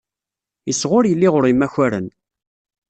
Iseɣ ur yelli ɣur imakaren.